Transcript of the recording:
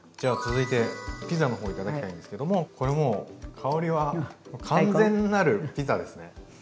続いてピザの方頂きたいんですけどもこれはもう香りは完全なるピザですね。